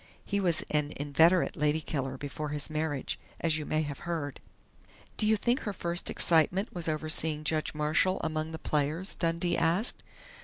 He was an inveterate 'lady killer' before his marriage, as you may have heard." "Do you think her first excitement was over seeing Judge Marshall among the players?" Dundee asked.